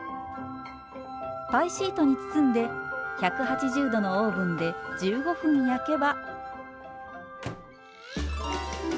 パイシートに包んで１８０℃のオーブンで１５分焼けば。